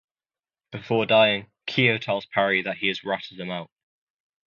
Before dying, Keough tells Perry that he has ratted him out.